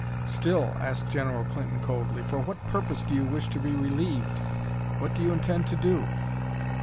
"Still," asked General Clinton coldly, "for what purpose do you wish to be relieved? What do you intend to do?"